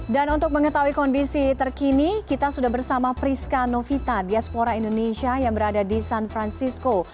dan untuk mengetahui kondisi terkini kita sudah bersama priska novita diaspora indonesia yang berada di san francisco